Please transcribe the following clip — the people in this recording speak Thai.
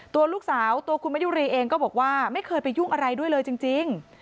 ตัวลูกสาวตัวคุณมะยุรีเองก็บอกว่าไม่เคยไปยุ่งอะไรด้วยเลยจริง